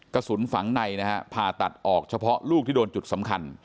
กระสุนฝังในนะฮะผ่าตัดออกเฉพาะลูกที่โดนจุดสำคัญ